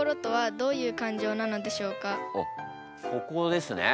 あっここですね。